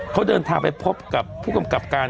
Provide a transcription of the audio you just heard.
เขาเดินทางไปพบกับผู้กำกับการ